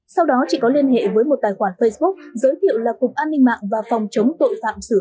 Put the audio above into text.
sau đó chị có liên hệ với một tài khoản facebook giới thiệu là cục an ninh mạng và phòng chống tội phạm sử dụng